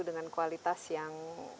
dengan kualitas yang